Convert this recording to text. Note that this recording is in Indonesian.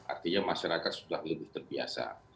artinya masyarakat sudah lebih terbiasa